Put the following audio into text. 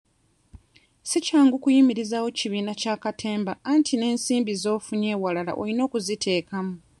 Si kyangu kuyimirizaawo kibiina kya katemba anti n'ensimbi z'ofunye ewalala olina ku ziteekamu.